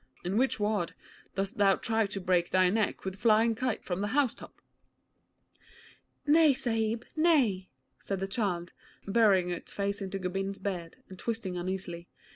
In which ward dost thou try to break thy neck with flying kites from the house top?' 'Nay, Sahib, nay,' said the child, burrowing its face into Gobind's beard, and twisting uneasily.